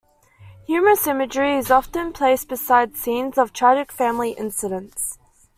Humorous imagery is often placed beside scenes of tragic family incidents.